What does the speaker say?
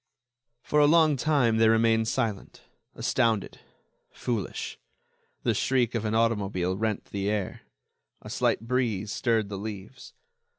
For a long time they remained silent, astounded, foolish. The shriek of an automobile rent the air. A slight breeze stirred the leaves.